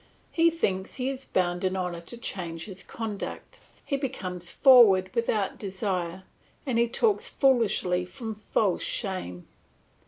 He thinks he is bound in honour to change his conduct; he becomes forward without desire, and he talks foolishly from false shame.